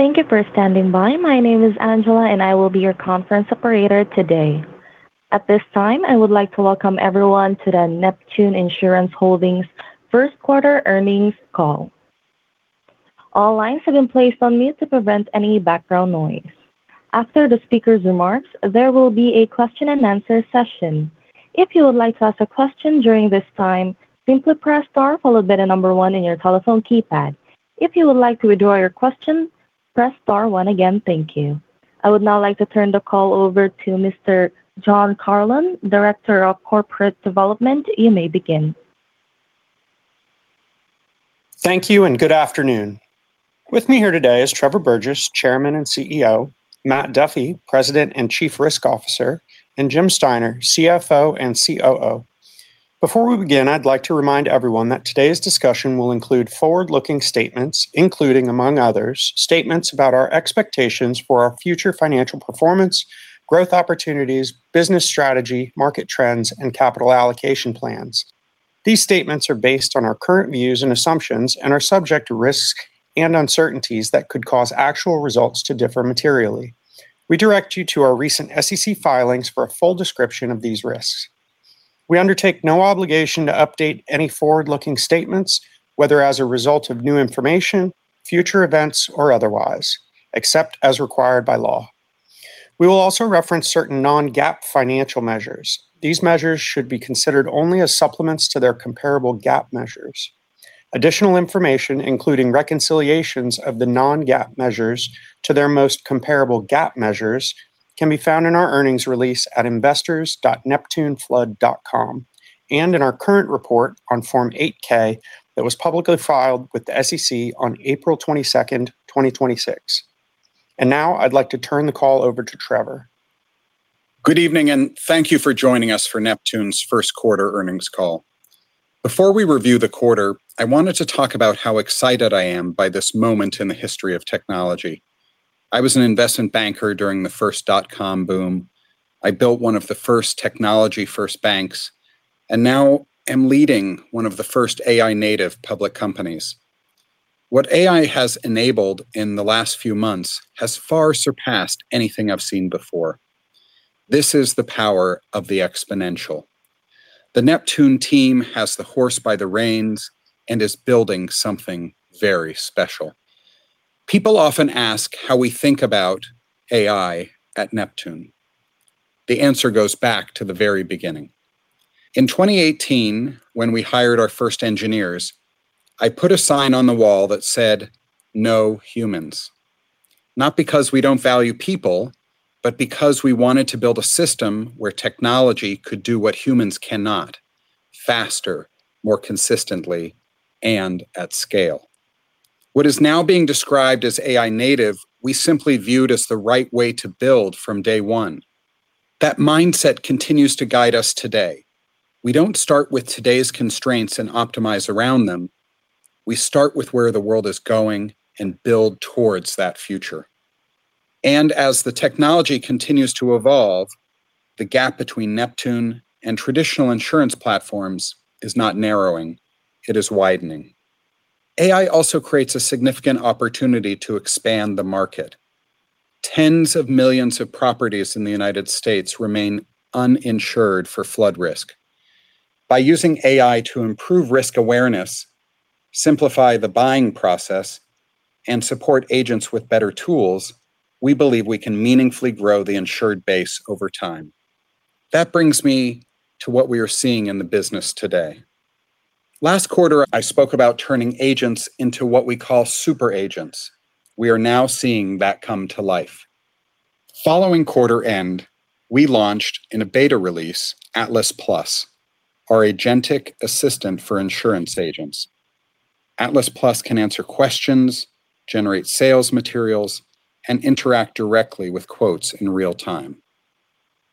Thank you for standing by. My name is Angela, and I will be your conference operator today. At this time, I would like to welcome everyone to the Neptune Insurance Holdings First Quarter Earnings Call. All lines have been placed on mute to prevent any background noise. After the speaker's remarks, there will be a question and answer session. If you would like to ask a question during this time, simply press star followed by the number one in your telephone keypad. If you would like to withdraw your question, press star one again. Thank you. I would now like to turn the call over to Mr. Jon Carlon, Director of Corporate Development. You may begin. Thank you and good afternoon. With me here today is Trevor Burgess, Chairman and CEO, Matt Duffy, President and Chief Risk Officer, and Jim Steiner, CFO and COO. Before we begin, I'd like to remind everyone that today's discussion will include forward-looking statements, including, among others, statements about our expectations for our future financial performance, growth opportunities, business strategy, market trends, and capital allocation plans. These statements are based on our current views and assumptions and are subject to risks and uncertainties that could cause actual results to differ materially. We direct you to our recent SEC filings for a full description of these risks. We undertake no obligation to update any forward-looking statements, whether as a result of new information, future events, or otherwise, except as required by law. We will also reference certain non-GAAP financial measures. These measures should be considered only as supplements to their comparable GAAP measures. Additional information, including reconciliations of the non-GAAP measures to their most comparable GAAP measures, can be found in our earnings release at investors.neptuneflood.com and in our current report on Form 8-K that was publicly filed with the SEC on April 22nd, 2026. Now I'd like to turn the call over to Trevor. Good evening, and thank you for joining us for Neptune's first quarter earnings call. Before we review the quarter, I wanted to talk about how excited I am by this moment in the history of technology. I was an investment banker during the first dot-com boom. I built one of the first technology-first banks, and now am leading one of the first AI-native public companies. What AI has enabled in the last few months has far surpassed anything I've seen before. This is the power of the exponential. The Neptune team has the horse by the reins and is building something very special. People often ask how we think about AI at Neptune. The answer goes back to the very beginning. In 2018, when we hired our first engineers, I put a sign on the wall that said, "No humans." Not because we don't value people, but because we wanted to build a system where technology could do what humans cannot faster, more consistently, and at scale. What is now being described as AI native, we simply viewed as the right way to build from day one. That mindset continues to guide us today. We don't start with today's constraints and optimize around them. We start with where the world is going and build towards that future. As the technology continues to evolve, the gap between Neptune and traditional insurance platforms is not narrowing, it is widening. AI also creates a significant opportunity to expand the market. Tens of millions of properties in the United States remain uninsured for flood risk. By using AI to improve risk awareness, simplify the buying process, and support agents with better tools, we believe we can meaningfully grow the insured base over time. That brings me to what we are seeing in the business today. Last quarter, I spoke about turning agents into what we call super agents. We are now seeing that come to life. Following quarter end, we launched in a beta release, Atlas Plus, our agentic assistant for insurance agents. Atlas Plus can answer questions, generate sales materials, and interact directly with quotes in real time.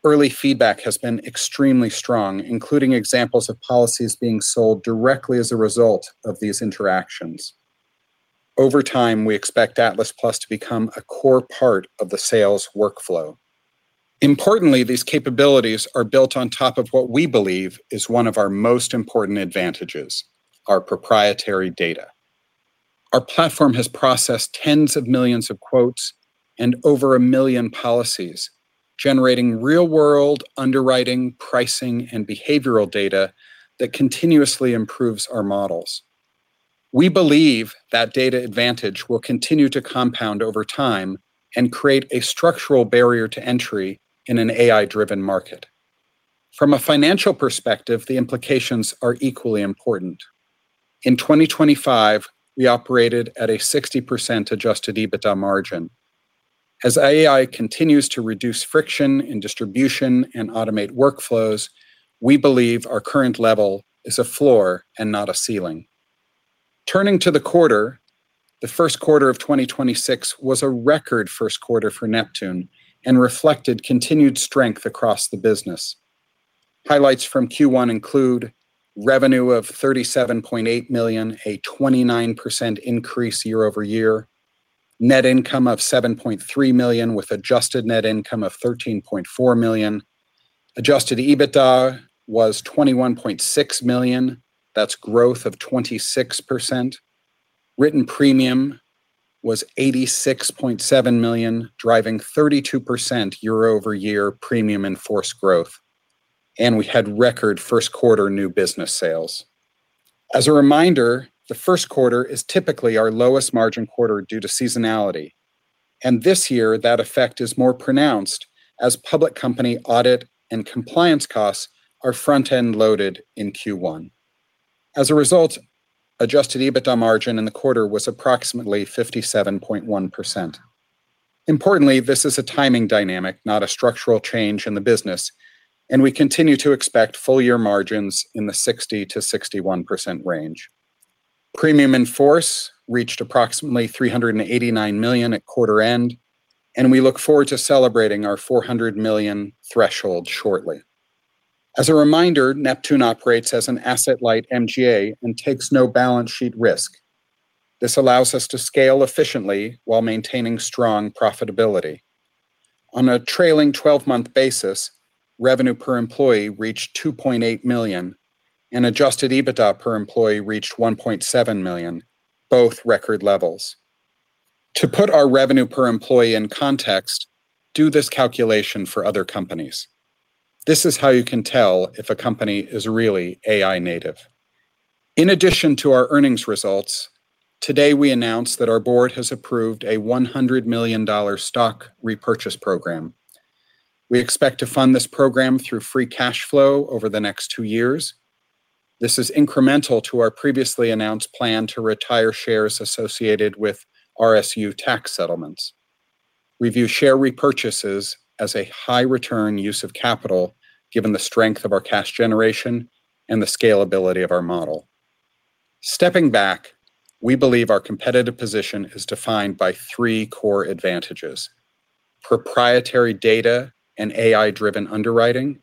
Early feedback has been extremely strong, including examples of policies being sold directly as a result of these interactions. Over time, we expect Atlas Plus to become a core part of the sales workflow. Importantly, these capabilities are built on top of what we believe is one of our most important advantages, our proprietary data. Our platform has processed tens of millions of quotes and over 1 million policies, generating real-world underwriting, pricing, and behavioral data that continuously improves our models. We believe that data advantage will continue to compound over time and create a structural barrier to entry in an AI-driven market. From a financial perspective, the implications are equally important. In 2025, we operated at a 60% Adjusted EBITDA margin. As AI continues to reduce friction in distribution and automate workflows, we believe our current level is a floor and not a ceiling. Turning to the quarter, the first quarter of 2026 was a record first quarter for Neptune and reflected continued strength across the business. Highlights from Q1 include revenue of $37.8 million, a 29% increase year-over-year, net income of $7.3 million with adjusted net income of $13.4 million. Adjusted EBITDA was $21.6 million. That's growth of 26%. Written premium was $86.7 million, driving 32% year-over-year premium and force growth. We had record first quarter new business sales. As a reminder, the first quarter is typically our lowest margin quarter due to seasonality, and this year that effect is more pronounced as public company audit and compliance costs are front-end loaded in Q1. As a result, adjusted EBITDA margin in the quarter was approximately 57.1%. Importantly, this is a timing dynamic, not a structural change in the business, and we continue to expect full year margins in the 60%-61% range. Premium in force reached approximately $389 million at quarter end, and we look forward to celebrating our $400 million threshold shortly. As a reminder, Neptune operates as an asset-light MGA and takes no balance sheet risk. This allows us to scale efficiently while maintaining strong profitability. On a trailing 12-month basis, revenue per employee reached $2.8 million and Adjusted EBITDA per employee reached $1.7 million, both record levels. To put our revenue per employee in context, do this calculation for other companies. This is how you can tell if a company is really AI native. In addition to our earnings results, today we announced that our board has approved a $100 million stock repurchase program. We expect to fund this program through free cash flow over the next two years. This is incremental to our previously announced plan to retire shares associated with RSU tax settlements. We view share repurchases as a high return use of capital given the strength of our cash generation and the scalability of our model. Stepping back, we believe our competitive position is defined by three core advantages, proprietary data and AI-driven underwriting,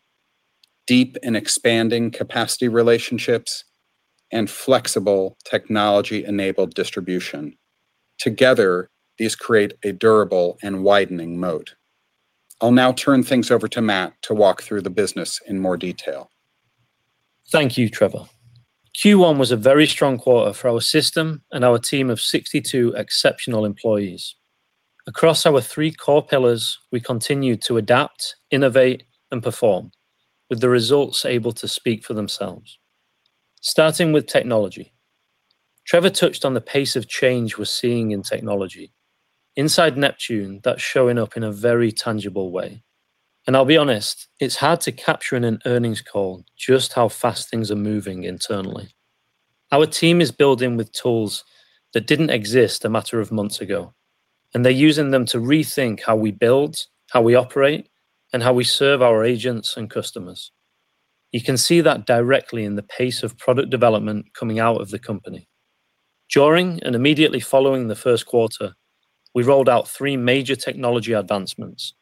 deep and expanding capacity relationships, and flexible technology-enabled distribution. Together, these create a durable and widening moat. I'll now turn things over to Matt to walk through the business in more detail. Thank you, Trevor. Q1 was a very strong quarter for our system and our team of 62 exceptional employees. Across our three core pillars, we continued to adapt, innovate, and perform with the results able to speak for themselves. Starting with technology, Trevor touched on the pace of change we're seeing in technology. Inside Neptune, that's showing up in a very tangible way. I'll be honest, it's hard to capture in an earnings call just how fast things are moving internally. Our team is building with tools that didn't exist a matter of months ago, and they're using them to rethink how we build, how we operate, and how we serve our agents and customers. You can see that directly in the pace of product development coming out of the company. During and immediately following the first quarter, we rolled out three major technology advancements,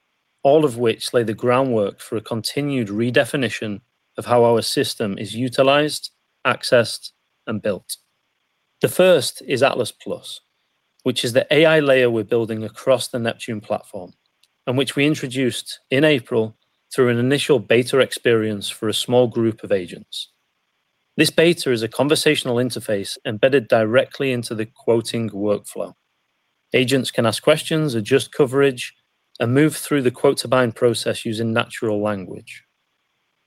all of which lay the groundwork for a continued redefinition of how our system is utilized, accessed, and built. The 1st is Atlas Plus, which is the AI layer we're building across the Neptune platform and which we introduced in April through an initial beta experience for a small group of agents. This beta is a conversational interface embedded directly into the quoting workflow. Agents can ask questions, adjust coverage, and move through the quote-to-bind process using natural language.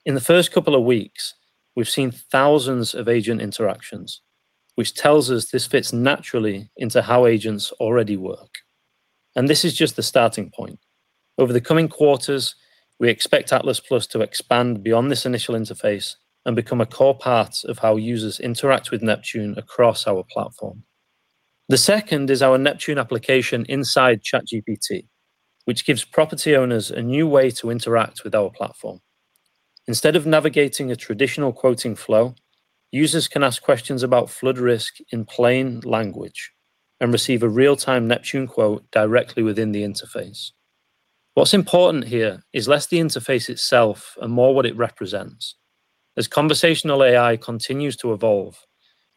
In the first couple of weeks, we've seen thousands of agent interactions, which tells us this fits naturally into how agents already work. This is just the starting point. Over the coming quarters, we expect Atlas Plus to expand beyond this initial interface and become a core part of how users interact with Neptune across our platform. The 2nd is our Neptune application inside ChatGPT, which gives property owners a new way to interact with our platform. Instead of navigating a traditional quoting flow, users can ask questions about flood risk in plain language and receive a real-time Neptune quote directly within the interface. What's important here is less the interface itself and more what it represents. As conversational AI continues to evolve,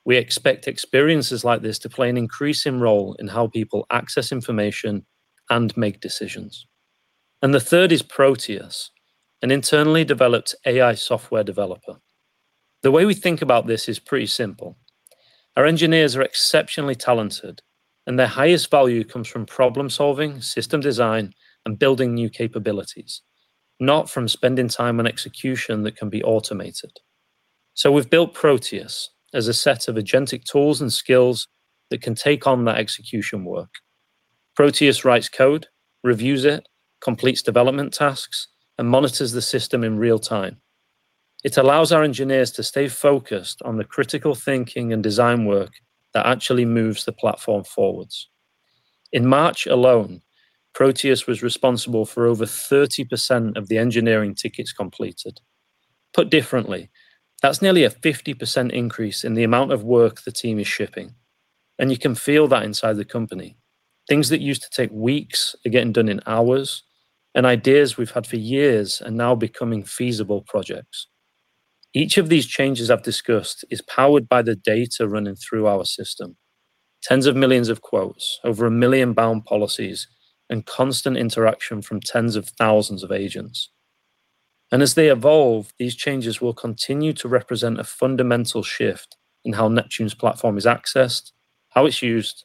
we expect experiences like this to play an increasing role in how people access information and make decisions. The 3rd is Proteus, an internally developed AI software developer. The way we think about this is pretty simple. Our engineers are exceptionally talented, and their highest value comes from problem-solving, system design, and building new capabilities, not from spending time on execution that can be automated. We've built Proteus as a set of agentic tools and skills that can take on that execution work. Proteus writes code, reviews it, completes development tasks, and monitors the system in real time. It allows our engineers to stay focused on the critical thinking and design work that actually moves the platform forward. In March alone, Proteus was responsible for over 30% of the engineering tickets completed. Put differently, that's nearly a 50% increase in the amount of work the team is shipping, and you can feel that inside the company. Things that used to take weeks are getting done in hours, and ideas we've had for years are now becoming feasible projects. Each of these changes I've discussed is powered by the data running through our system. Tens of millions of quotes, over 1 million bound policies, and constant interaction from tens of thousands of agents. As they evolve, these changes will continue to represent a fundamental shift in how Neptune's platform is accessed, how it's used,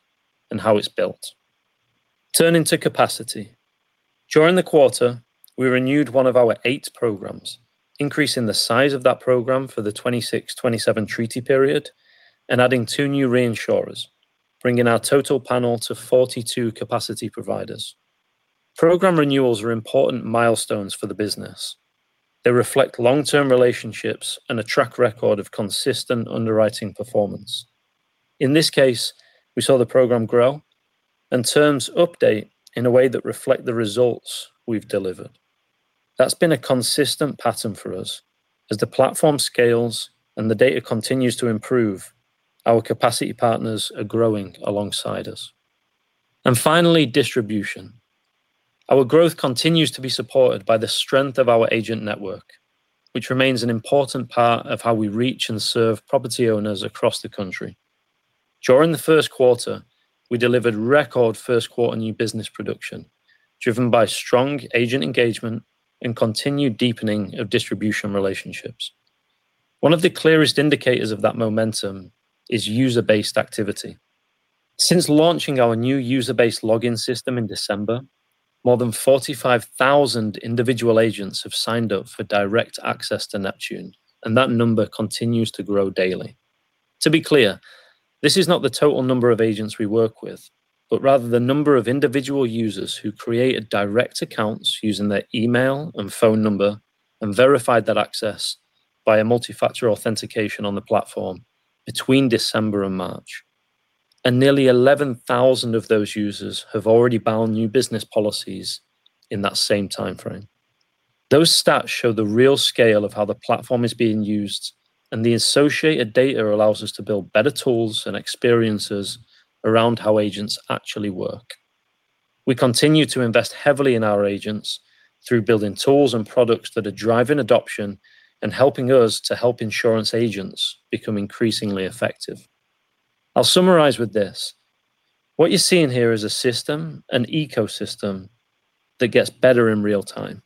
and how it's built. Turning to capacity. During the quarter, we renewed one of our eight programs, increasing the size of that program for the 2026, 2027 treaty period, and adding two new reinsurers, bringing our total panel to 42 capacity providers. Program renewals are important milestones for the business. They reflect long-term relationships and a track record of consistent underwriting performance. In this case, we saw the program grow and terms update in a way that reflect the results we've delivered. That's been a consistent pattern for us. As the platform scales and the data continues to improve, our capacity partners are growing alongside us. Finally, distribution. Our growth continues to be supported by the strength of our agent network, which remains an important part of how we reach and serve property owners across the country. During the first quarter, we delivered record first quarter new business production, driven by strong agent engagement and continued deepening of distribution relationships. One of the clearest indicators of that momentum is user-based activity. Since launching our new user-based login system in December, more than 45,000 individual agents have signed up for direct access to Neptune, and that number continues to grow daily. To be clear, this is not the total number of agents we work with, but rather the number of individual users who created direct accounts using their email and phone number and verified that access via multi-factor authentication on the platform between December and March. Nearly 11,000 of those users have already bound new business policies in that same timeframe. Those stats show the real scale of how the platform is being used, and the associated data allows us to build better tools and experiences around how agents actually work. We continue to invest heavily in our agents through building tools and products that are driving adoption and helping us to help insurance agents become increasingly effective. I'll summarize with this. What you're seeing here is a system, an ecosystem that gets better in real-time,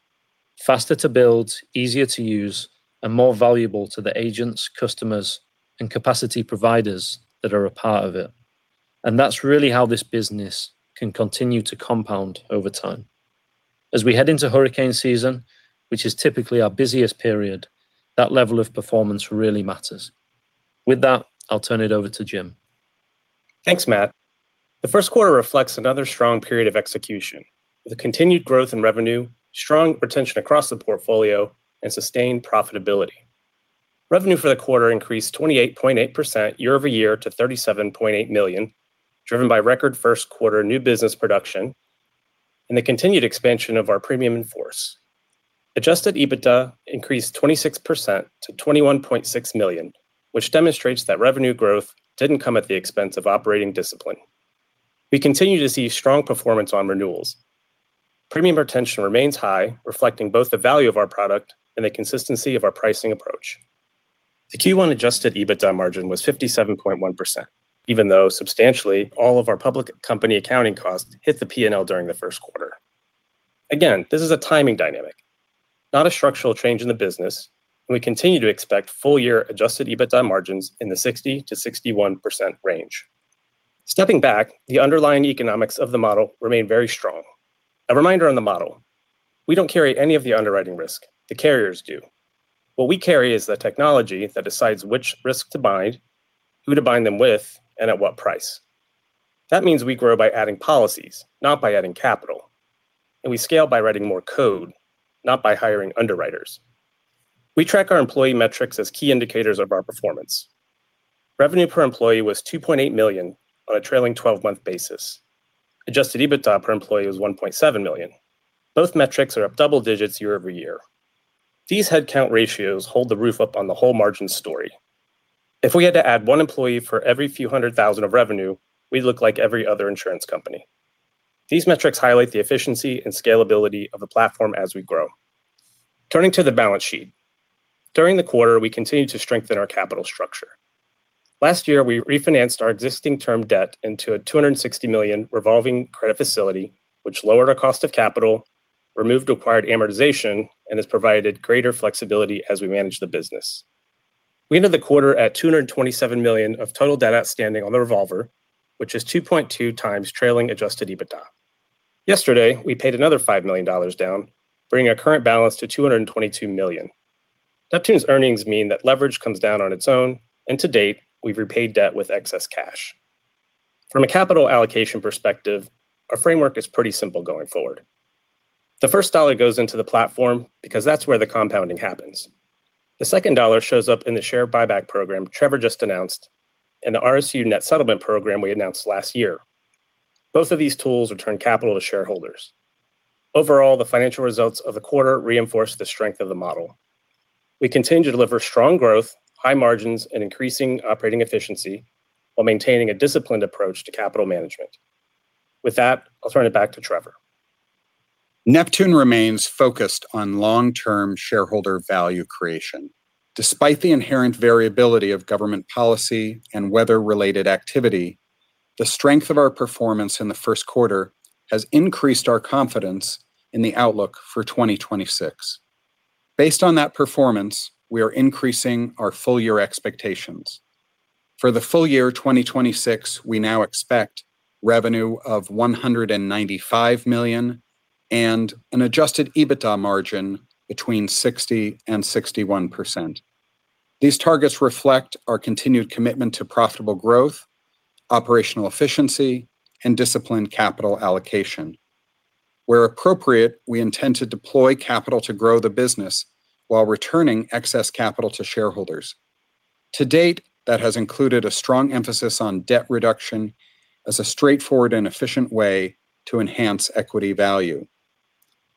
faster to build, easier to use, and more valuable to the agents, customers, and capacity providers that are a part of it. That's really how this business can continue to compound over time. As we head into hurricane season, which is typically our busiest period, that level of performance really matters. With that, I'll turn it over to Jim. Thanks, Matt. The first quarter reflects another strong period of execution with a continued growth in revenue, strong retention across the portfolio, and sustained profitability. Revenue for the quarter increased 28.8% year-over-year to $37.8 million, driven by record first quarter new business production and the continued expansion of our premium in force. Adjusted EBITDA increased 26% to $21.6 million, which demonstrates that revenue growth didn't come at the expense of operating discipline. We continue to see strong performance on renewals. Premium retention remains high, reflecting both the value of our product and the consistency of our pricing approach. The Q1 adjusted EBITDA margin was 57.1%, even though substantially all of our public company accounting costs hit the P&L during the first quarter. Again, this is a timing dynamic, not a structural change in the business, and we continue to expect full year adjusted EBITDA margins in the 60%-61% range. Stepping back, the underlying economics of the model remain very strong. A reminder on the model. We don't carry any of the underwriting risk, the carriers do. What we carry is the technology that decides which risk to bind, who to bind them with, and at what price. That means we grow by adding policies, not by adding capital. We scale by writing more code, not by hiring underwriters. We track our employee metrics as key indicators of our performance. Revenue per employee was $2.8 million on a trailing 12-month basis. Adjusted EBITDA per employee was $1.7 million. Both metrics are up double digits year-over-year. These headcount ratios hold the roof up on the whole margin story. If we had to add one employee for every few hundred thousand of revenue, we'd look like every other insurance company. These metrics highlight the efficiency and scalability of the platform as we grow. Turning to the balance sheet. During the quarter, we continued to strengthen our capital structure. Last year, we refinanced our existing term debt into a $260 million revolving credit facility, which lowered our cost of capital, removed acquired amortization, and has provided greater flexibility as we manage the business. We ended the quarter at $227 million of total debt outstanding on the revolver, which is 2.2x trailing Adjusted EBITDA. Yesterday, we paid another $5 million down, bringing our current balance to $222 million. Neptune's earnings mean that leverage comes down on its own, and to date, we've repaid debt with excess cash. From a capital allocation perspective, our framework is pretty simple going forward. The first dollar goes into the platform because that's where the compounding happens. The second dollar shows up in the share buyback program Trevor just announced, and the RSU net settlement program we announced last year. Both of these tools return capital to shareholders. Overall, the financial results of the quarter reinforce the strength of the model. We continue to deliver strong growth, high margins, and increasing operating efficiency while maintaining a disciplined approach to capital management. With that, I'll turn it back to Trevor. Neptune remains focused on long-term shareholder value creation. Despite the inherent variability of government policy and weather-related activity, the strength of our performance in the first quarter has increased our confidence in the outlook for 2026. Based on that performance, we are increasing our full-year expectations. For the full year 2026, we now expect revenue of $195 million and an adjusted EBITDA margin between 60%-61%. These targets reflect our continued commitment to profitable growth, operational efficiency, and disciplined capital allocation. Where appropriate, we intend to deploy capital to grow the business while returning excess capital to shareholders. To date, that has included a strong emphasis on debt reduction as a straightforward and efficient way to enhance equity value.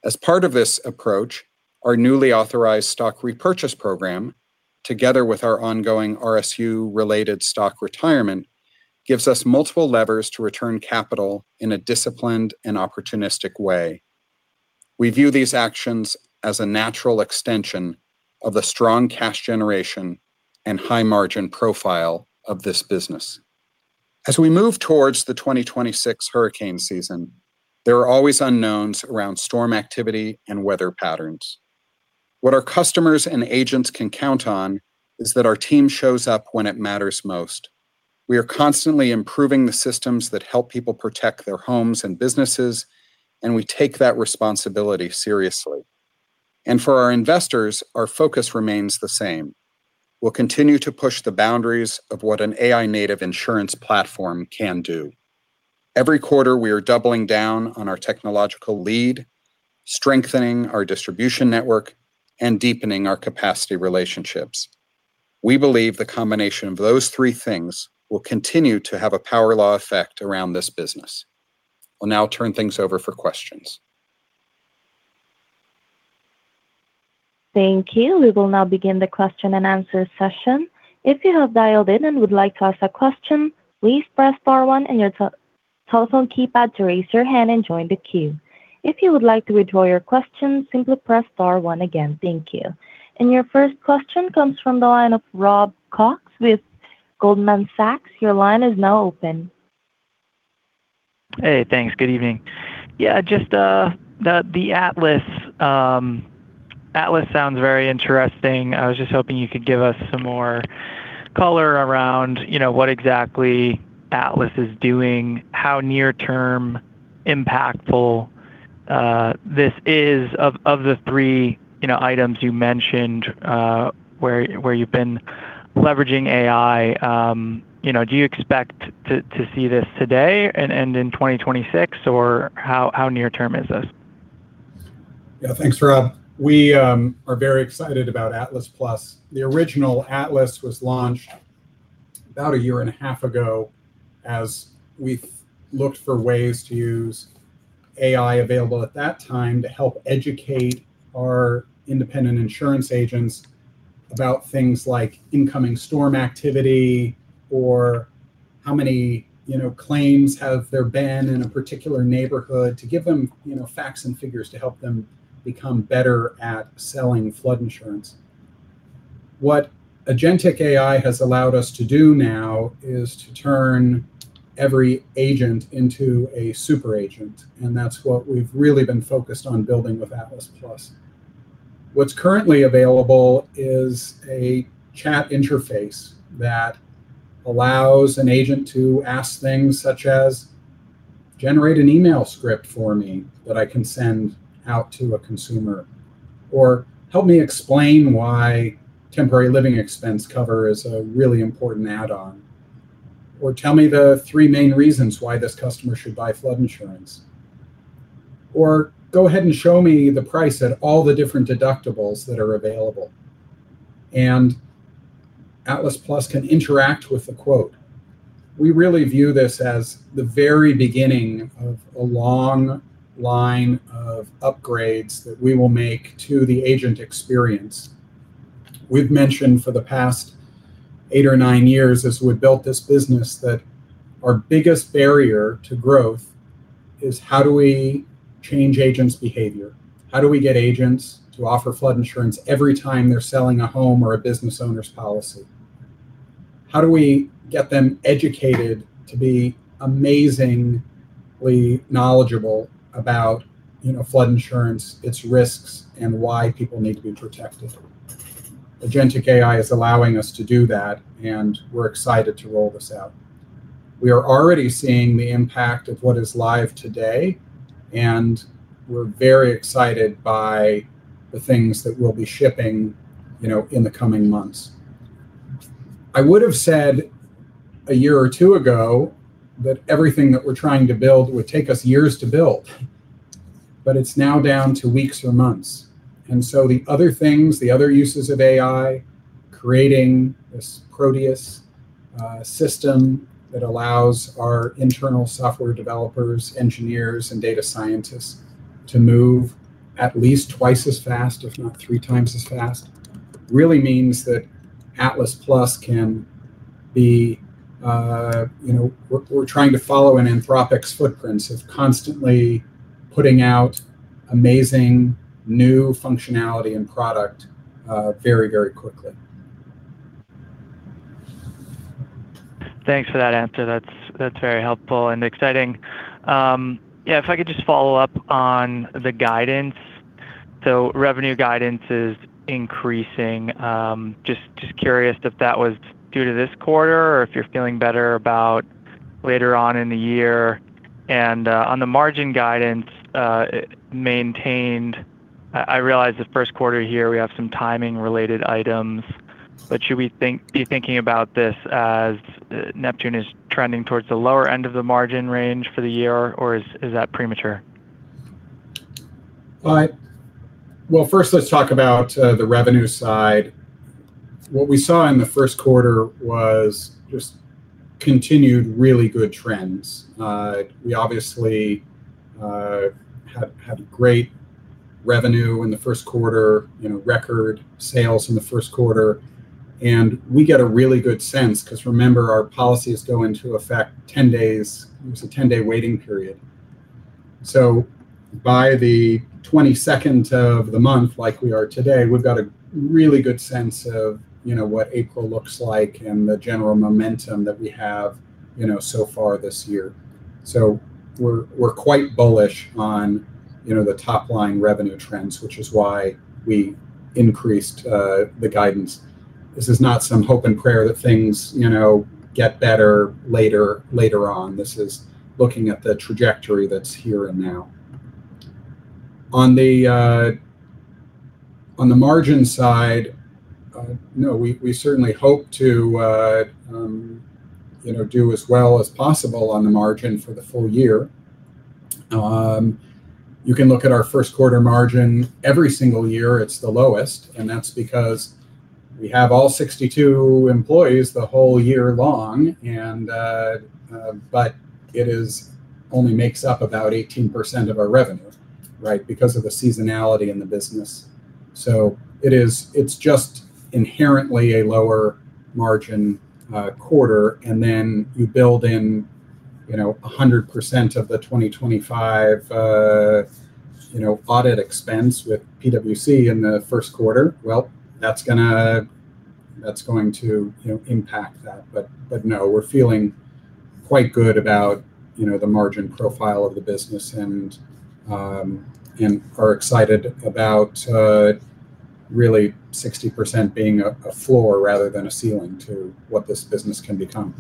As part of this approach, our newly authorized stock repurchase program, together with our ongoing RSU-related stock retirement, gives us multiple levers to return capital in a disciplined and opportunistic way. We view these actions as a natural extension of the strong cash generation and high-margin profile of this business. As we move towards the 2026 hurricane season, there are always unknowns around storm activity and weather patterns. What our customers and agents can count on is that our team shows up when it matters most. We are constantly improving the systems that help people protect their homes and businesses, and we take that responsibility seriously. For our investors, our focus remains the same. We'll continue to push the boundaries of what an AI-native insurance platform can do. Every quarter, we are doubling down on our technological lead, strengthening our distribution network, and deepening our capacity relationships. We believe the combination of those three things will continue to have a power law effect around this business. We'll now turn things over for questions. Thank you. We will now begin the question and answer session. If you have dialed in and would like to ask a question, please press star one on your telephone keypad to raise your hand and join the queue. If you would like to withdraw your question, simply press star one again. Thank you. Your 1st question comes from the line of Rob Cox with Goldman Sachs. Your line is now open. Hey, thanks. Good evening. Yeah, just the Atlas sounds very interesting. I was just hoping you could give us some more color around what exactly Atlas is doing, how near-term impactful this is of the three items you mentioned where you've been leveraging AI. Do you expect to see this today and in 2026, or how near-term is this? Yeah. Thanks, Rob. We are very excited about Atlas Plus. The original Atlas was launched about a year and a half ago as we looked for ways to use AI available at that time to help educate our independent insurance agents about things like incoming storm activity, or how many claims have there been in a particular neighborhood to give them facts and figures to help them become better at selling flood insurance. What agentic AI has allowed us to do now is to turn every agent into a super agent, and that's what we've really been focused on building with Atlas Plus. What's currently available is a chat interface that allows an agent to ask things such as, Generate an email script for me that I can send out to a consumer, or, Help me explain why Temporary Living Expense cover is a really important add-on, or, Tell me the three main reasons why this customer should buy flood insurance, or, Go ahead and show me the price at all the different deductibles that are available. Atlas Plus can interact with a quote. We really view this as the very beginning of a long line of upgrades that we will make to the agent experience. We've mentioned for the past eight or nine years as we built this business that our biggest barrier to growth is how do we change agents behavior? How do we get agents to offer flood insurance every time they're selling a home or a business owner's policy? How do we get them educated to be amazingly knowledgeable about flood insurance, its risks, and why people need to be protected? Agentic AI is allowing us to do that, and we're excited to roll this out. We are already seeing the impact of what is live today, and we're very excited by the things that we'll be shipping in the coming months. I would've said a year or two ago that everything that we're trying to build would take us years to build, but it's now down to weeks or months. The other things, the other uses of AI, creating this Proteus system that allows our internal software developers, engineers, and data scientists to move at least twice as fast, if not three times as fast, really means that Atlas Plus can. We're trying to follow in Anthropic's footprints of constantly putting out amazing new functionality and product very, very quickly. Thanks for that answer. That's very helpful and exciting. Yeah, if I could just follow up on the guidance. So revenue guidance is increasing. Just curious if that was due to this quarter, or if you're feeling better about later on in the year. On the margin guidance maintained, I realize this first quarter here, we have some timing related items, but should we be thinking about this as Neptune is trending towards the lower end of the margin range for the year, or is that premature? Well, 1st let's talk about the revenue side. What we saw in the first quarter was just continued really good trends. We obviously had great revenue in the first quarter, record sales in the first quarter. We get a really good sense because remember, our policies go into effect 10 days. There's a 10-day waiting period. By the 22nd of the month, like we are today, we've got a really good sense of what April looks like and the general momentum that we have so far this year. We're quite bullish on the top line revenue trends, which is why we increased the guidance. This is not some hope and prayer that things get better later on. This is looking at the trajectory that's here and now. On the margin side, no, we certainly hope to do as well as possible on the margin for the full year. You can look at our first quarter margin. Every single year, it's the lowest, and that's because we have all 62 employees the whole year long, but it only makes up about 18% of our revenue, right? Because of the seasonality in the business. It's just inherently a lower margin quarter, and then you build in 100% of the 2025 audit expense with PwC in the first quarter. Well, that's going to impact that. No, we're feeling quite good about the margin profile of the business and are excited about really 60% being a floor rather than a ceiling to what this business can become.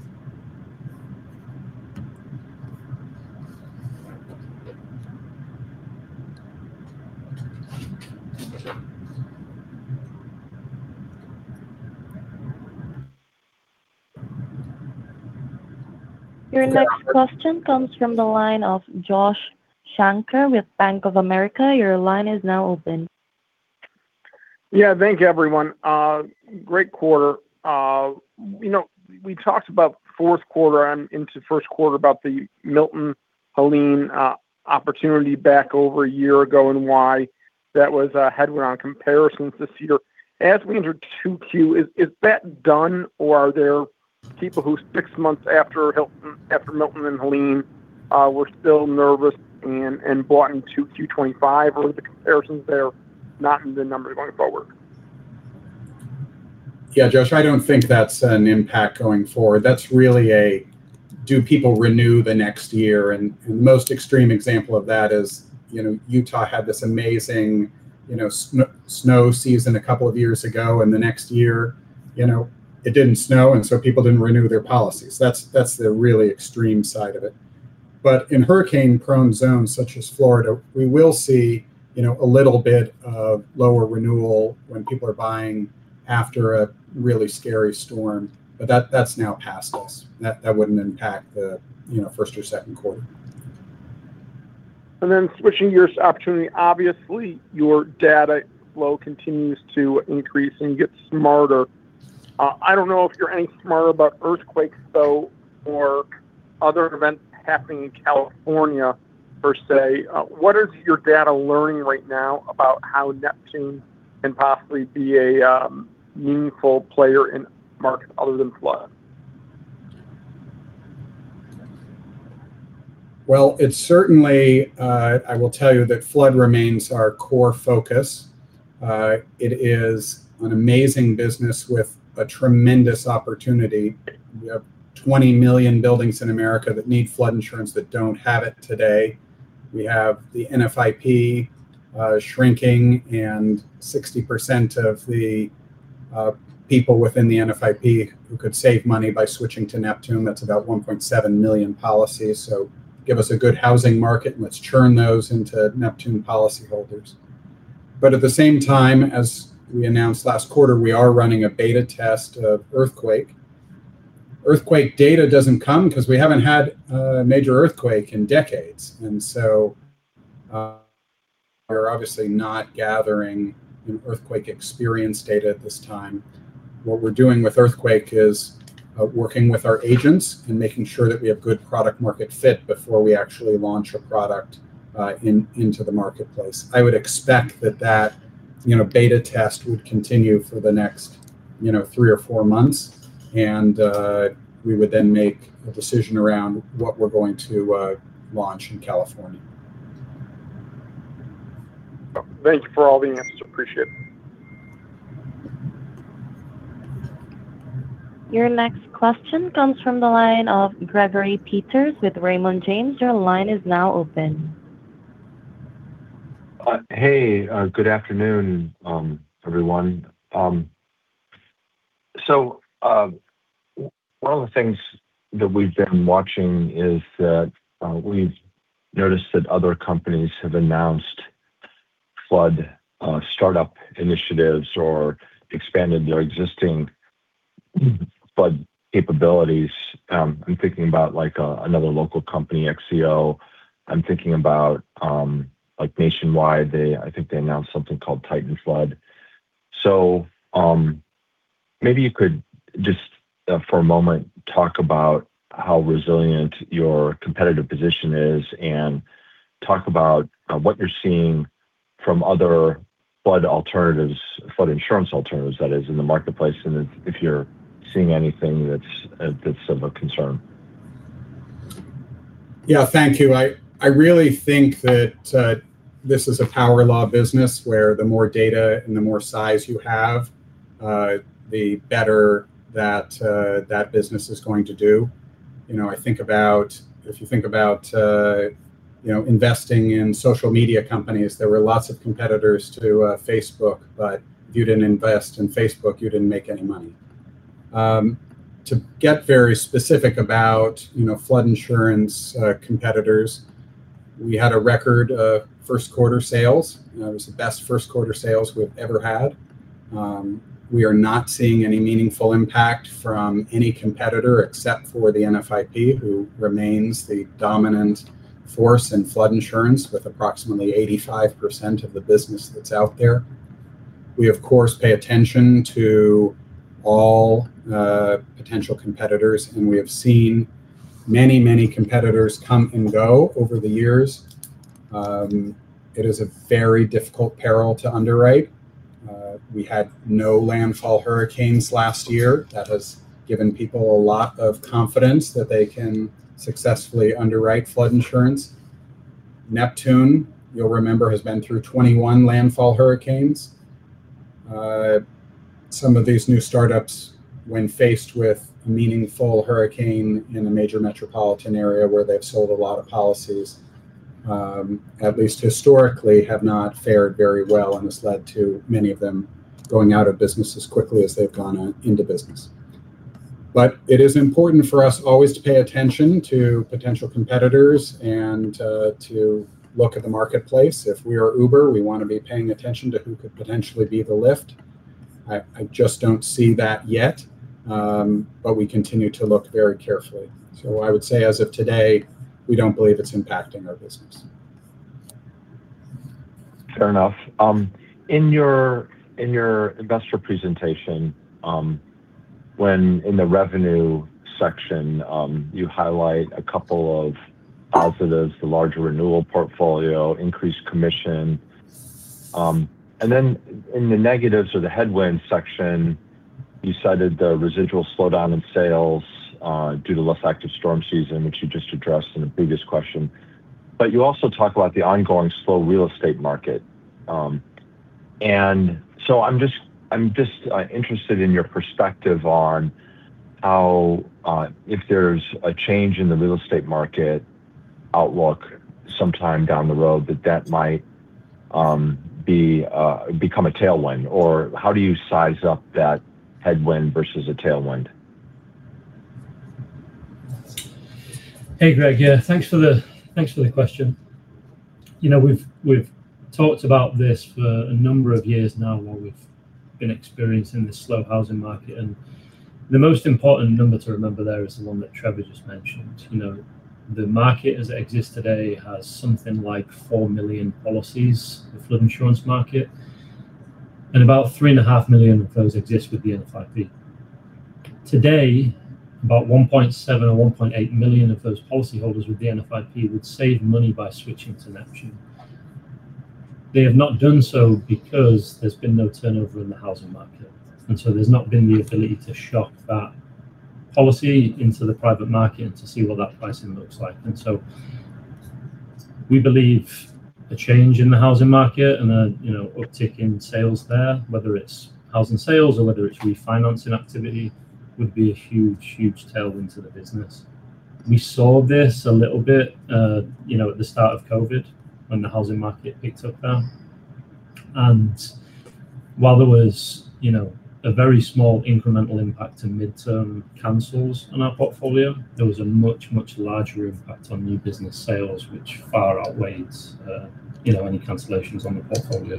Your next question comes from the line of Josh Shanker with Bank of America. Your line is now open. Yeah, thank you everyone. Great quarter. We talked about fourth quarter and into first quarter about the Milton, Helene opportunity back over a year ago and why that was a headwind on comparisons this year. As we enter 2Q, is that done or are there people who six months after Milton and Helene were still nervous and bought in 2Q 2025? Or are the comparisons there not in the numbers going forward? Yeah, Josh, I don't think that's an impact going forward. That's really whether people renew the next year, and the most extreme example of that is Utah had this amazing snow season a couple of years ago, and the next year it didn't snow, and so people didn't renew their policies. That's the really extreme side of it. In hurricane-prone zones such as Florida, we will see a little bit of lower renewal when people are buying after a really scary storm, but that's now past us. That wouldn't impact the first or second quarter. Switching gears opportunity, obviously, your data flow continues to increase and get smarter. I don't know if you're any smarter about earthquakes, though, or other events happening in California per se. What is your data learning right now about how Neptune can possibly be a meaningful player in market other than flood? Well, it's certainly, I will tell you that flood remains our core focus. It is an amazing business with a tremendous opportunity. We have 20 million buildings in America that need flood insurance that don't have it today. We have the NFIP shrinking and 60% of the people within the NFIP who could save money by switching to Neptune. That's about 1.7 million policies. Give us a good housing market, and let's churn those into Neptune policyholders. At the same time, as we announced last quarter, we are running a beta test of earthquake. Earthquake data doesn't come because we haven't had a major earthquake in decades, and so we're obviously not gathering earthquake experience data at this time. What we're doing with earthquake is working with our agents and making sure that we have good product market fit before we actually launch a product into the marketplace. I would expect that you know, beta test would continue for the next three or four months, and we would then make a decision around what we're going to launch in California. Thank you for all the answers. Appreciate it. Your next question comes from the line of Gregory Peters with Raymond James. Your line is now open. Hey, good afternoon everyone. One of the things that we've been watching is that we've noticed that other companies have announced flood startup initiatives or expanded their existing flood capabilities. I'm thinking about another local company, XCO. I'm thinking about Nationwide. I think they announced something called Titan Flood. Maybe you could just for a moment, talk about how resilient your competitive position is and talk about what you're seeing from other flood insurance alternatives that is in the marketplace, and if you're seeing anything that's of a concern. Yeah, thank you. I really think that this is a power law business where the more data and the more size you have, the better that business is going to do. If you think about investing in social media companies, there were lots of competitors to Facebook, but if you didn't invest in Facebook, you didn't make any money. To get very specific about flood insurance competitors, we had a record first quarter sales. It was the best first quarter sales we've ever had. We are not seeing any meaningful impact from any competitor except for the NFIP, who remains the dominant force in flood insurance with approximately 85% of the business that's out there. We, of course, pay attention to all potential competitors, and we have seen many competitors come and go over the years. It is a very difficult peril to underwrite. We had no landfall hurricanes last year. That has given people a lot of confidence that they can successfully underwrite flood insurance. Neptune, you'll remember, has been through 21 landfall hurricanes. Some of these new startups, when faced with a meaningful hurricane in a major metropolitan area where they've sold a lot of policies, at least historically, have not fared very well, and this led to many of them going out of business as quickly as they've gone into business. It is important for us always to pay attention to potential competitors and to look at the marketplace. If we are Uber, we want to be paying attention to who could potentially be the Lyft. I just don't see that yet. We continue to look very carefully. I would say as of today, we don't believe it's impacting our business. Fair enough. In your investor presentation, when in the revenue section, you highlight a couple of positives, the larger renewal portfolio, increased commission. In the negatives or the headwind section, you cited the residual slowdown in sales due to less active storm season, which you just addressed in the previous question. You also talk about the ongoing slow real estate market. I'm just interested in your perspective on if there's a change in the real estate market outlook sometime down the road that might become a tailwind, or how do you size up that headwind versus a tailwind? Hey, Greg. Yeah, thanks for the question. We've talked about this for a number of years now while we've been experiencing this slow housing market, and the most important number to remember there is the one that Trevor just mentioned. The market as it exists today has something like 4 million policies, the flood insurance market, and about 3.5 million of those exist with the NFIP. Today, about 1.7 million or 1.8 million of those policyholders with the NFIP would save money by switching to Neptune. They have not done so because there's been no turnover in the housing market, and so there's not been the ability to shop that policy into the private market to see what that pricing looks like. We believe a change in the housing market and an uptick in sales there, whether it's housing sales or whether it's refinancing activity, would be a huge tailwind to the business. We saw this a little bit at the start of COVID when the housing market picked up there. While there was a very small incremental impact to midterm cancels in our portfolio, there was a much, much larger impact on new business sales, which far outweighs any cancellations on the portfolio.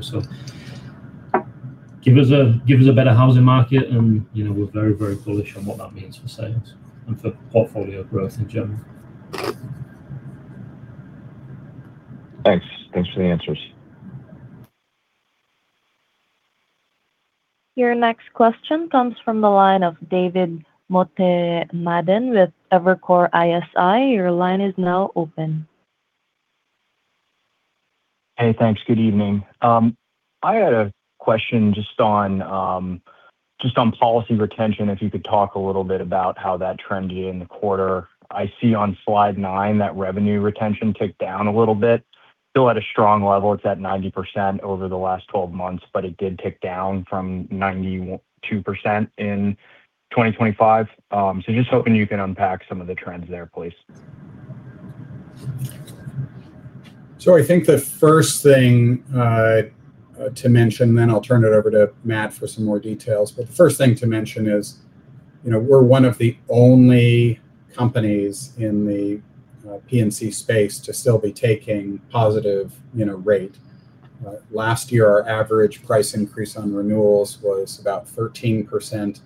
Give us a better housing market and we're very bullish on what that means for sales and for portfolio growth in general. Thanks for the answers. Your next question comes from the line of David Motemaden with Evercore ISI. Your line is now open. Hey, thanks. Good evening. I had a question just on policy retention, if you could talk a little bit about how that trended in the quarter. I see on slide nine that revenue retention ticked down a little bit. Still at a strong level, it's at 90% over the last 12 months, but it did tick down from 92% in 2025. Just hoping you can unpack some of the trends there, please. I think the first thing to mention, then I'll turn it over to Matt for some more details, but the first thing to mention is, we're one of the only companies in the P&C space to still be taking positive rate. Last year, our average price increase on renewals was about 13%,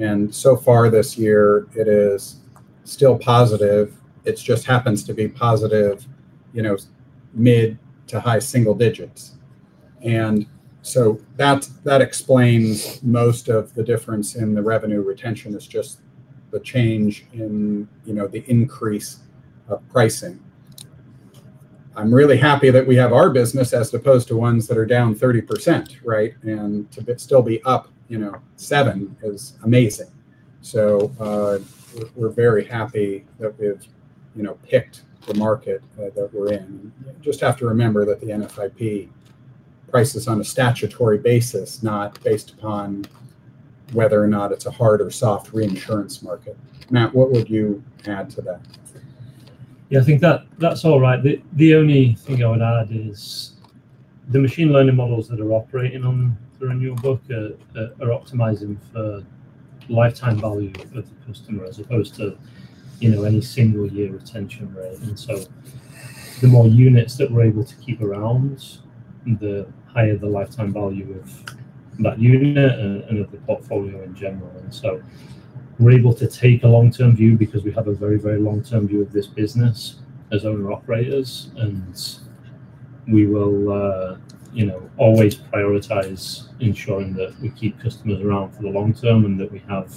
and so far this year it is still positive. It just happens to be positive mid to high single digits. That explains most of the difference in the revenue retention is just the change in the increase of pricing. I'm really happy that we have our business as opposed to ones that are down 30%, right? To still be up 7% is amazing. We're very happy that we've picked the market that we're in. Just have to remember that the NFIP prices on a statutory basis, not based upon whether or not it's a hard or soft reinsurance market. Matt, what would you add to that? Yeah, I think that's all right. The only thing I would add is the machine learning models that are operating on the renewal book are optimizing for lifetime value of the customer as opposed to any single year retention rate. The more units that we're able to keep around, the higher the lifetime value of that unit and of the portfolio in general. We're able to take a long-term view because we have a very, very long-term view of this business as owner-operators. We will always prioritize ensuring that we keep customers around for the long term, and that we have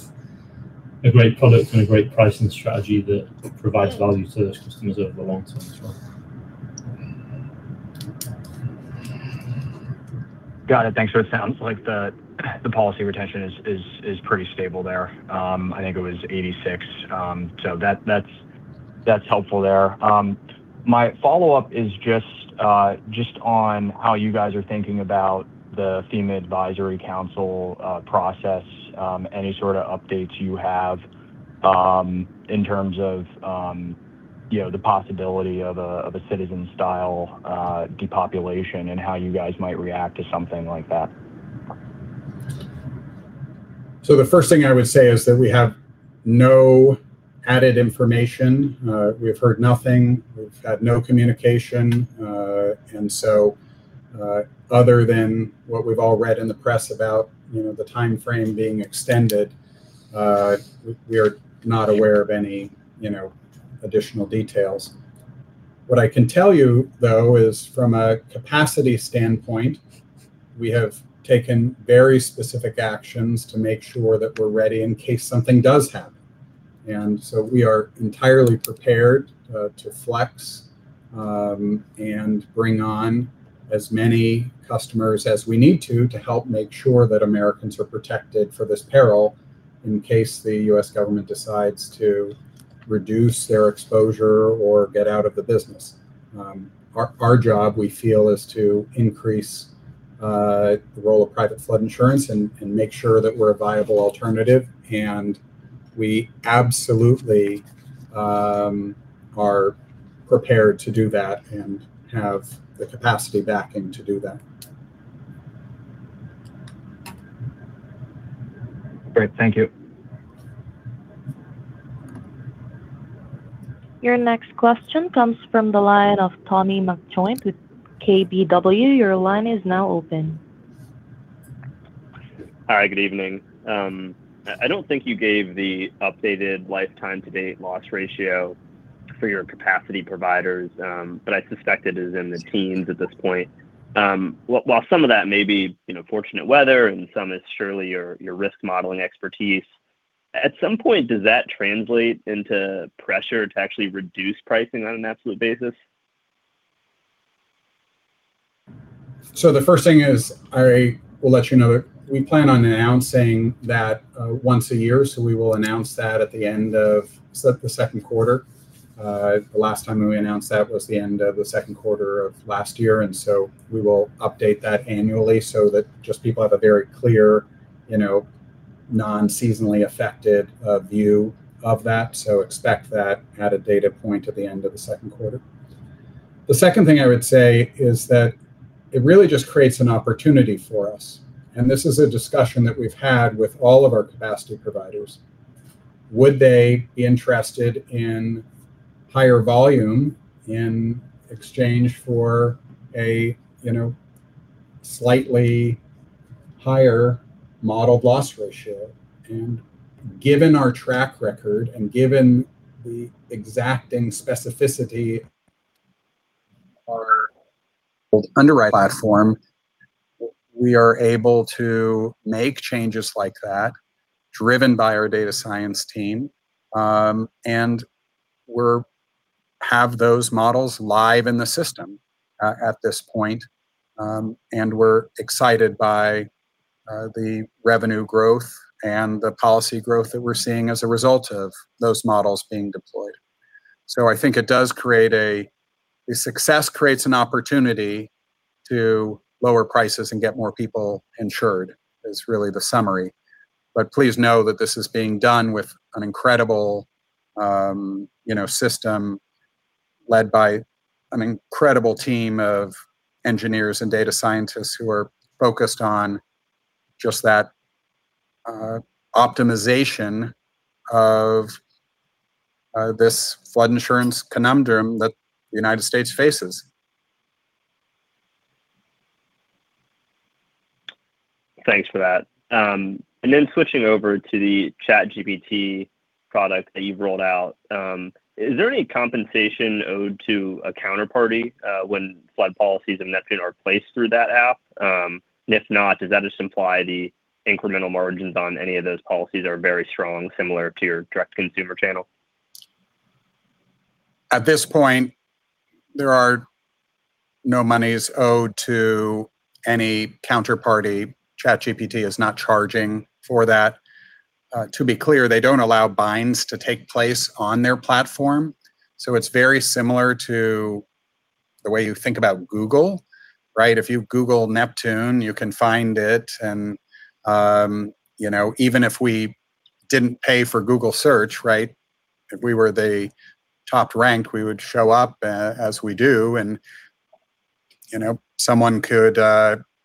a great product and a great pricing strategy that provides value to those customers over the long term as well. Got it. Thanks. It sounds like the policy retention is pretty stable there. I think it was 86%. That's helpful there. My follow-up is just on how you guys are thinking about the FEMA Advisory Council process, any sort of updates you have in terms of the possibility of a Citizens-style depopulation, and how you guys might react to something like that? The first thing I would say is that we have no added information. We've heard nothing. We've had no communication. Other than what we've all read in the press about the timeframe being extended, we are not aware of any additional details. What I can tell you though is from a capacity standpoint, we have taken very specific actions to make sure that we're ready in case something does happen. We are entirely prepared to flex, and bring on as many customers as we need to help make sure that Americans are protected for this peril in case the U.S. government decides to reduce their exposure or get out of the business. Our job, we feel, is to increase the role of private flood insurance and make sure that we're a viable alternative. We absolutely are prepared to do that and have the capacity backing to do that. Great. Thank you. Your next question comes from the line of Tommy McJoynt with KBW. Your line is now open. Hi, good evening. I don't think you gave the updated lifetime to date loss ratio for your capacity providers, but I suspect it is in the teens at this point. While some of that may be fortunate weather and some is surely your risk modeling expertise, at some point, does that translate into pressure to actually reduce pricing on an absolute basis? The 1st thing is, I will let you know that we plan on announcing that once a year. We will announce that at the end of the second quarter. The last time that we announced that was the end of the second quarter of last year, and so we will update that annually so that just people have a very clear non-seasonally affected view of that. Expect that at a data point at the end of the second quarter. The 2nd thing I would say is that it really just creates an opportunity for us, and this is a discussion that we've had with all of our capacity providers. Would they be interested in higher volume in exchange for a slightly higher model loss ratio? Given our track record and given the exacting specificity of our underwriting platform, we are able to make changes like that driven by our data science team. We have those models live in the system at this point, and we're excited by the revenue growth and the policy growth that we're seeing as a result of those models being deployed. I think success creates an opportunity to lower prices and get more people insured, is really the summary. Please know that this is being done with an incredible system led by an incredible team of engineers and data scientists who are focused on just that optimization of this flood insurance conundrum that the United States faces. Thanks for that. Switching over to the ChatGPT product that you've rolled out, is there any compensation owed to a counterparty when flood policies in Neptune are placed through that app? If not, does that just imply the incremental margins on any of those policies are very strong, similar to your direct-to-consumer channel? At this point, there are no monies owed to any counterparty. ChatGPT is not charging for that. To be clear, they don't allow binds to take place on their platform, so it's very similar to the way you think about Google, right? If you Google Neptune, you can find it, and even if we didn't pay for Google search, right, if we were the top ranked, we would show up, as we do, and someone could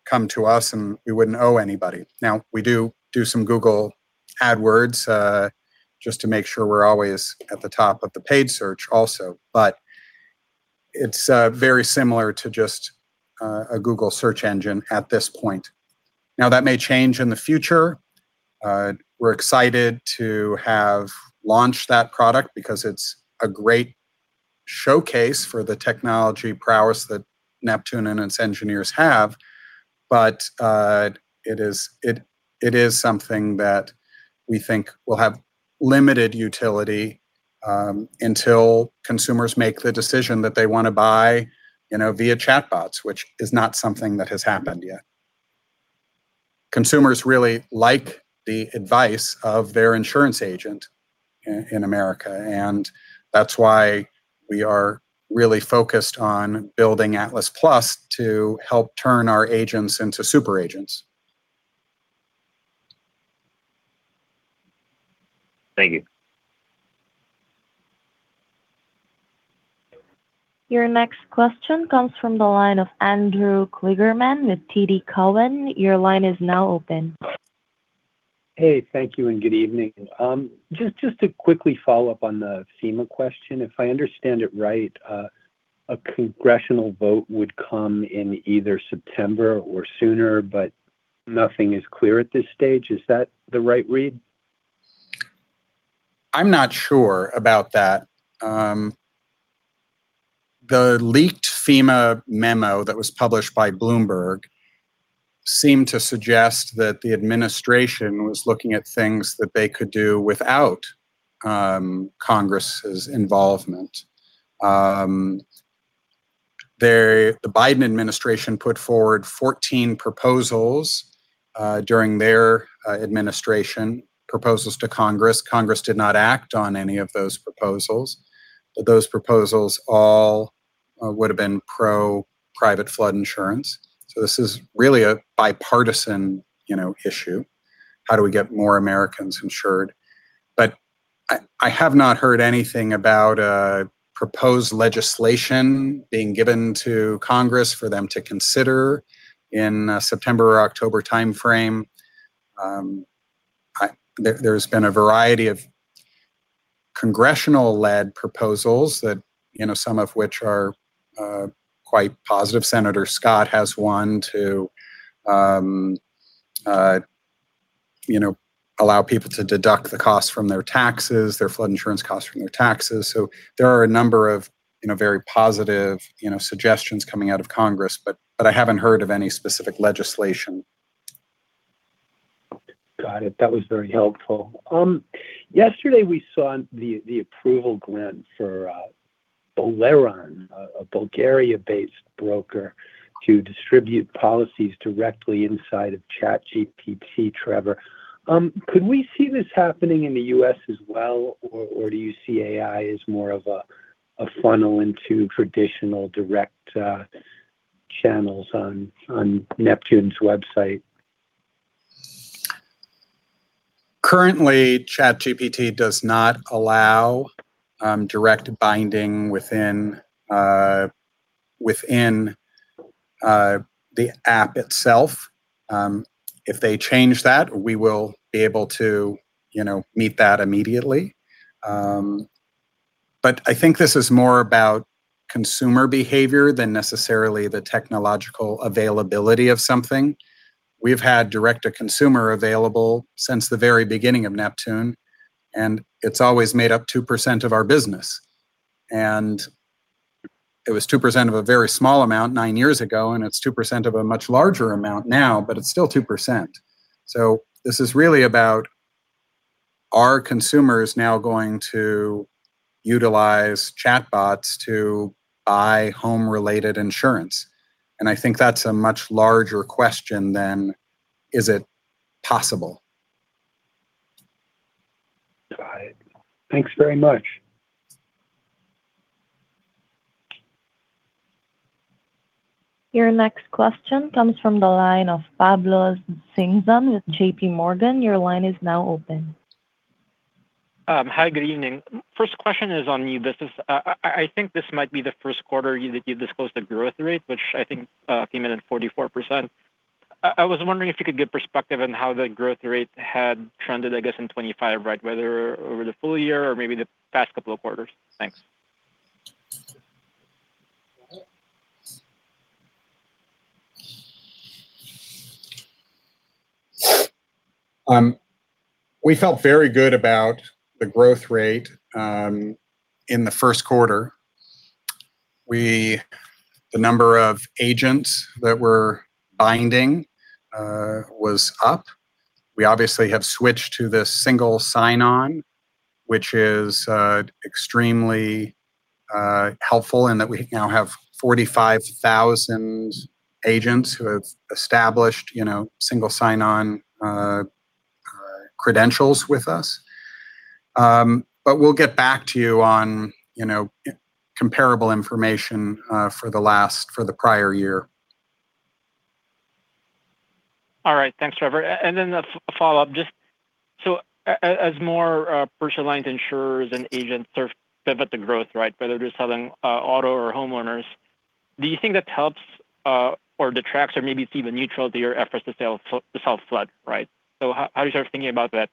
come to us, and we wouldn't owe anybody. Now, we do do some Google Ads, just to make sure we're always at the top of the paid search also. But it's very similar to just a Google search engine at this point. Now, that may change in the future. We're excited to have launched that product because it's a great showcase for the technology prowess that Neptune and its engineers have. It is something that we think will have limited utility until consumers make the decision that they want to buy via chatbots, which is not something that has happened yet. Consumers really like the advice of their insurance agent in America, and that's why we are really focused on building Atlas Plus to help turn our agents into super agents. Thank you. Your next question comes from the line of Andrew Kligerman with TD Cowen. Your line is now open. Hey, thank you and good evening. Just to quickly follow up on the FEMA question, if I understand it right, a Congressional vote would come in either September or sooner, but nothing is clear at this stage. Is that the right read? I'm not sure about that. The leaked FEMA memo that was published by Bloomberg seemed to suggest that the administration was looking at things that they could do without Congress's involvement. The Biden administration put forward 14 proposals during their administration, proposals to Congress. Congress did not act on any of those proposals, but those proposals all would've been pro-private flood insurance. This is really a bipartisan issue. How do we get more Americans insured? I have not heard anything about proposed legislation being given to Congress for them to consider in a September or October timeframe. There's been a variety of Congressional-led proposals that some of which are quite positive. Senator Scott has one to allow people to deduct the costs from their taxes, their flood insurance costs from their taxes. There are a number of very positive suggestions coming out of Congress, but I haven't heard of any specific legislation. Got it. That was very helpful. Yesterday, we saw the approval, Glenn, for Boleron, a Bulgaria-based broker, to distribute policies directly inside of ChatGPT, Trevor. Could we see this happening in the U.S. as well, or do you see AI as more of a funnel into traditional direct channels on Neptune's website? Currently, ChatGPT does not allow direct binding within the app itself. If they change that, we will be able to meet that immediately. I think this is more about consumer behavior than necessarily the technological availability of something. We've had direct-to-consumer available since the very beginning of Neptune. It's always made up 2% of our business. It was 2% of a very small amount nine years ago, and it's 2% of a much larger amount now, but it's still 2%. This is really about are consumers now going to utilize chatbots to buy home-related insurance. I think that's a much larger question than is it possible? Got it. Thanks very much. Your next question comes from the line of Pablo Singzon with J.P. Morgan. Your line is now open. Hi, good evening. First question is on new business. I think this might be the first quarter that you've disclosed a growth rate, which I think came in at 44%. I was wondering if you could give perspective on how the growth rate had trended, I guess in 2025, right? Whether over the full year or maybe the past couple of quarters. Thanks. We felt very good about the growth rate in the first quarter. The number of agents that were binding was up. We obviously have switched to the single sign-on, which is extremely helpful in that we now have 45,000 agents who have established single sign-on credentials with us. We'll get back to you on comparable information for the prior year. All right. Thanks, Trevor. Then a follow-up, just as more personal lines insurers and agents pivot to growth, right? Whether they're selling auto or homeowners, do you think that helps or detracts or maybe it's even neutral to your efforts to sell flood, right? How are you guys thinking about that,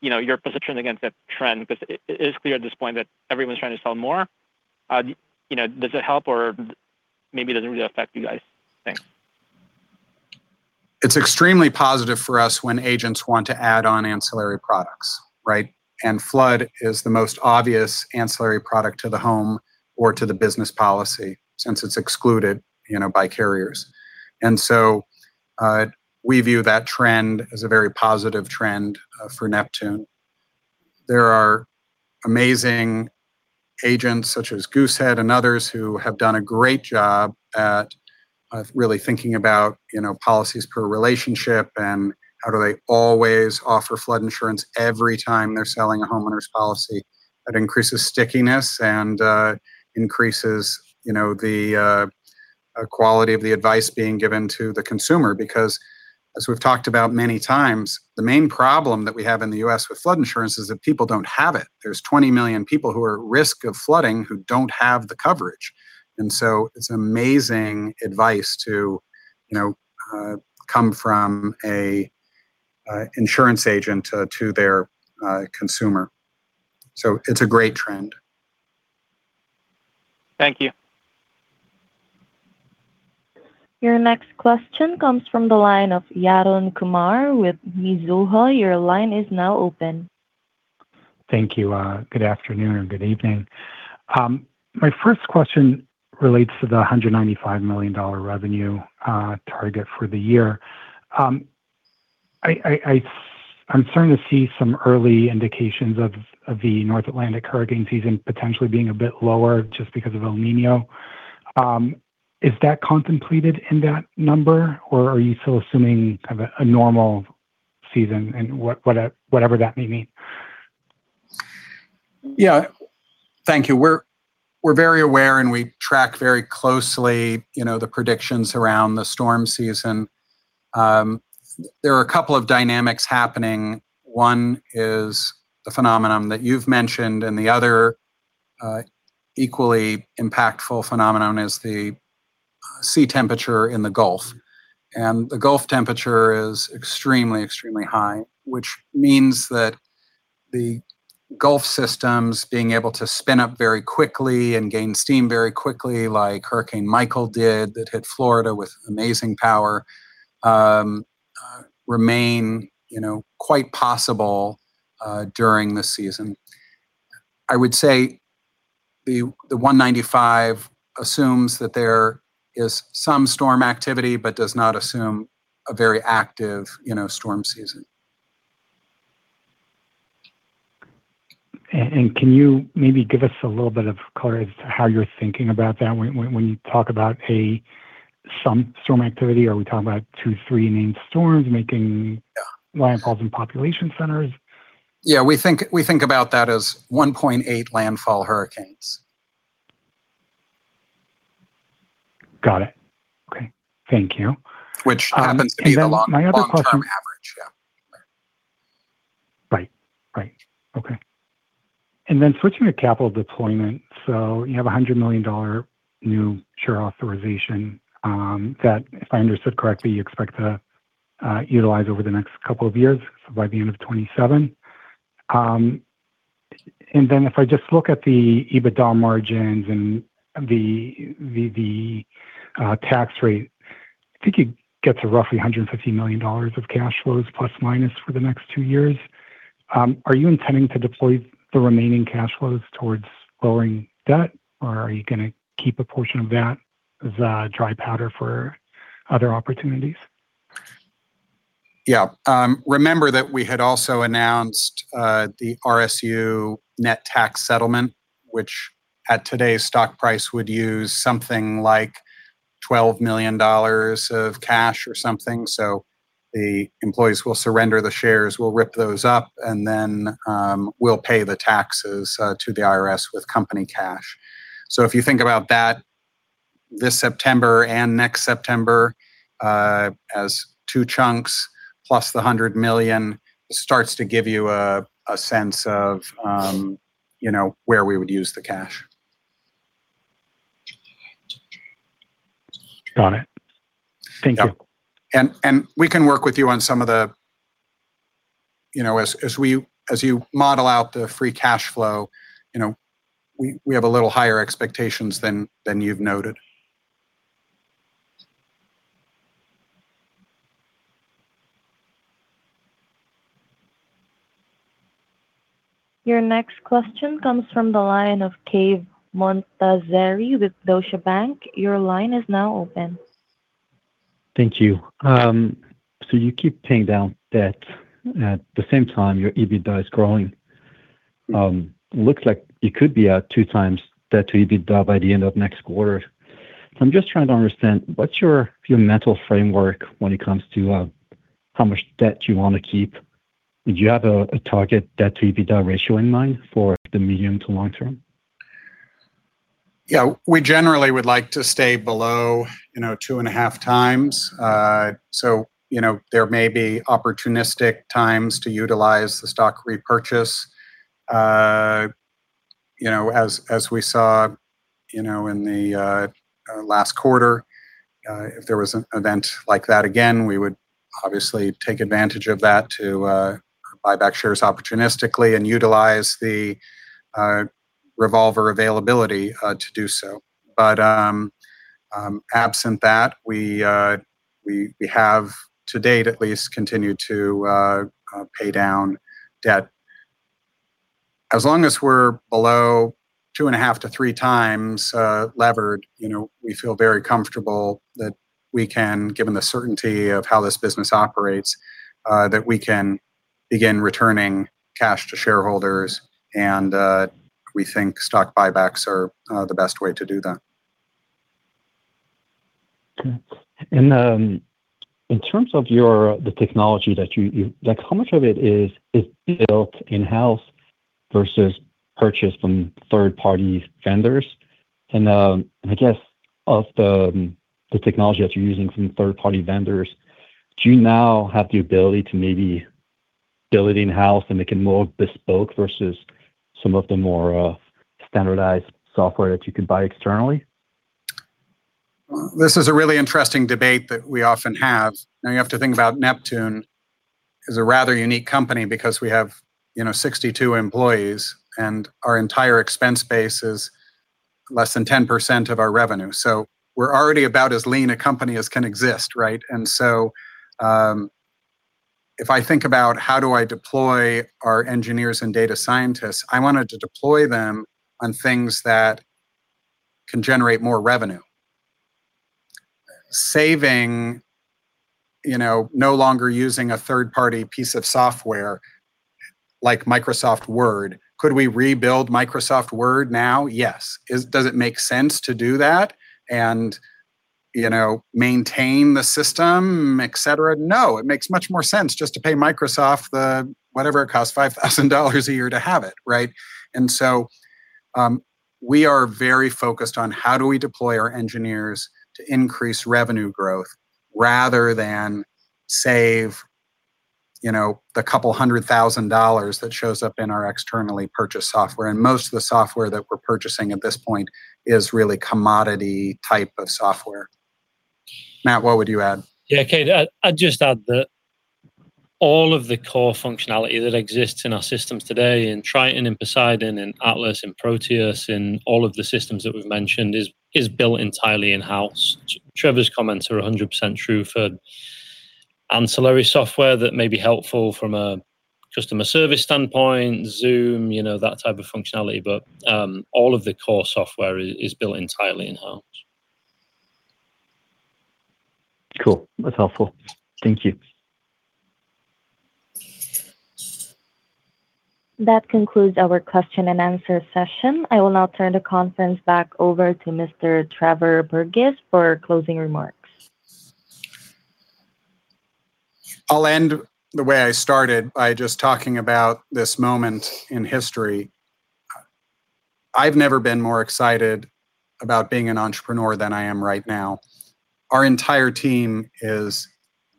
your positioning against that trend? Because it's clear at this point that everyone's trying to sell more. Does it help or maybe it doesn't really affect you guys? Thanks. It's extremely positive for us when agents want to add on ancillary products, right? Flood is the most obvious ancillary product to the home or to the business policy since it's excluded by carriers. We view that trend as a very positive trend for Neptune. There are amazing agents such as Goosehead and others who have done a great job at really thinking about policies per relationship and how do they always offer flood insurance every time they're selling a homeowner's policy. That increases stickiness and increases the quality of the advice being given to the consumer. Because as we've talked about many times, the main problem that we have in the US with flood insurance is that people don't have it. There's 20 million people who are at risk of flooding who don't have the coverage. It's amazing advice to come from an insurance agent to their consumer. It's a great trend. Thank you. Your next question comes from the line of Yaron Kinar with Mizuho. Your line is now open. Thank you. Good afternoon or good evening. My first question relates to the $195 million revenue target for the year. I'm starting to see some early indications of the North Atlantic hurricane season potentially being a bit lower just because of El Niño. Is that contemplated in that number or are you still assuming kind of a normal season and whatever that may mean? Yeah. Thank you. We're very aware and we track very closely the predictions around the storm season. There are a couple of dynamics happening. One is the phenomenon that you've mentioned, and the other equally impactful phenomenon is the sea temperature in the Gulf. The Gulf temperature is extremely high, which means that the Gulf systems being able to spin up very quickly and gain steam very quickly, like Hurricane Michael did, that hit Florida with amazing power remain quite possible during the season. I would say the 195 assumes that there is some storm activity but does not assume a very active storm season. Can you maybe give us a little bit of color as to how you're thinking about that when you talk about some storm activity? Are we talking about two, three named storms making landfalls in population centers? Yeah, we think about that as 1.8 landfall hurricanes. Got it. Okay. Thank you. Which happens to be the long-term average. Yeah. Right. Okay. Switching to capital deployment. You have $100 million new share authorization, that if I understood correctly, you expect to utilize over the next couple of years, so by the end of 2027. If I just look at the EBITDA margins and the tax rate, I think it gets to roughly $150 million of cash flows plus or minus for the next two years. Are you intending to deploy the remaining cash flows towards lowering debt, or are you going to keep a portion of that as dry powder for other opportunities? Yeah. Remember that we had also announced the RSU net tax settlement, which at today's stock price, would use something like $12 million of cash or something. The employees will surrender the shares, we'll rip those up, and then we'll pay the taxes to the IRS with company cash. If you think about that this September and next September as two chunks plus the $100 million, it starts to give you a sense of where we would use the cash. Got it. Thank you. Yeah. We can work with you as you model out the free cash flow. We have a little higher expectations than you've noted. Your next question comes from the line of Cave Montazeri with Deutsche Bank. Your line is now open. Thank you. You keep paying down debt. At the same time, your EBITDA is growing. It looks like it could be at 2x debt to EBITDA by the end of next quarter. I'm just trying to understand, what's your mental framework when it comes to how much debt you want to keep? Did you have a target debt to EBITDA ratio in mind for the medium to long term? Yeah. We generally would like to stay below 2.5x. There may be opportunistic times to utilize the stock repurchase. As we saw in the last quarter, if there was an event like that again, we would obviously take advantage of that to buy back shares opportunistically and utilize the revolver availability to do so. Absent that, we have to date at least continued to pay down debt. As long as we're below 2.5x-3x levered, we feel very comfortable that we can, given the certainty of how this business operates, that we can begin returning cash to shareholders, and we think stock buybacks are the best way to do that. Okay. In terms of the technology, how much of it is built in-house versus purchased from third-party vendors? I guess of the technology that you're using from third-party vendors, do you now have the ability to maybe build it in-house and make it more bespoke versus some of the more standardized software that you could buy externally? This is a really interesting debate that we often have. Now you have to think about Neptune as a rather unique company because we have 62 employees, and our entire expense base is less than 10% of our revenue. We're already about as lean a company as can exist, right? If I think about how do I deploy our engineers and data scientists, I wanted to deploy them on things that can generate more revenue. Saving, no longer using a third-party piece of software like Microsoft Word. Could we rebuild Microsoft Word now? Yes. Does it make sense to do that and maintain the system, et cetera? No. It makes much more sense just to pay Microsoft whatever it costs, $5,000 a year to have it, right? We are very focused on how do we deploy our engineers to increase revenue growth rather than save the $200,000 that shows up in our externally purchased software. Most of the software that we're purchasing at this point is really commodity type of software. Matt, what would you add? Yeah. Cave, I'd just add that all of the core functionality that exists in our systems today in Triton and Poseidon and Atlas and Proteus, in all of the systems that we've mentioned, is built entirely in-house. Trevor's comments are 100% true for ancillary software that may be helpful from a customer service standpoint, Zoom, that type of functionality. All of the core software is built entirely in-house. Cool. That's helpful. Thank you. That concludes our question and answer session. I will now turn the conference back over to Mr. Trevor Burgess for closing remarks. I'll end the way I started, by just talking about this moment in history. I've never been more excited about being an entrepreneur than I am right now. Our entire team is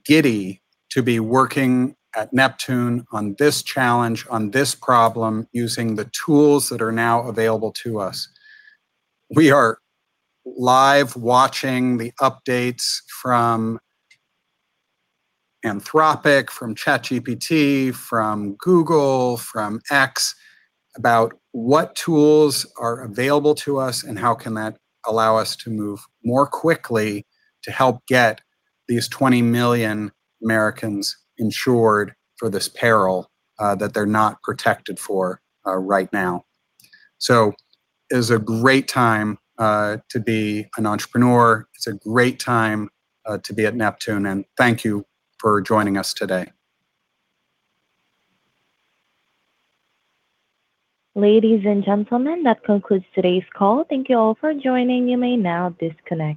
giddy to be working at Neptune on this challenge, on this problem, using the tools that are now available to us. We are live watching the updates from Anthropic, from ChatGPT, from Google, from X, about what tools are available to us, and how can that allow us to move more quickly to help get these 20 million Americans insured for this peril that they're not protected for right now. It is a great time to be an entrepreneur. It's a great time to be at Neptune, and thank you for joining us today. Ladies and gentlemen, that concludes today's call. Thank you all for joining. You may now disconnect.